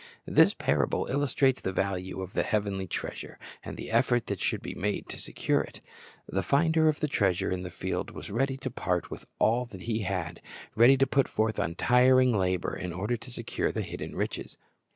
This parable illustrates the value of the heavenly treasure, and the effort that should be made to secure it. The finder of the treasure in the field was ready to part with all that he had, ready to put forth untiring labor, in order to secure the hidden riches.